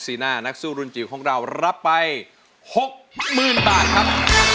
น่านักสู้รุ่นจิ๋วของเรารับไป๖๐๐๐บาทครับ